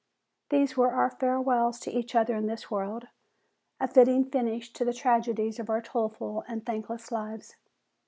These were our farewells to each other in this world, a fitting finish to the tragedies of our toilful and thankless lives.